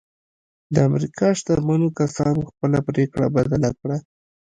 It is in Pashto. د امريکا شتمنو کسانو خپله پرېکړه بدله کړه.